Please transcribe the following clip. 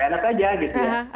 enak aja gitu ya